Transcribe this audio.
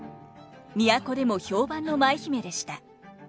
都でも評判の舞姫でした。